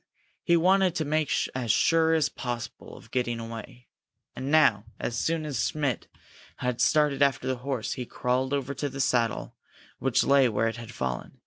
He wanted to make as sure as possible of getting away. And now, as soon as Schmidt had started after the horse, he crawled over to the saddle, which lay where it had fallen.